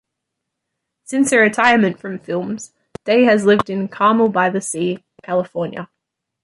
Since her retirement from films, Day has lived in Carmel-by-the-Sea, California.